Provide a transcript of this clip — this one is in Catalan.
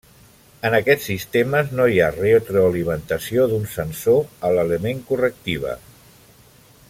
En aquests sistemes no hi ha retroalimentació d'un sensor a l'element correctiva.